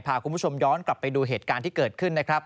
พาคุณผู้ชมย้อนกลับไปดูเหตุการณ์ที่เกิดขึ้นนะครับ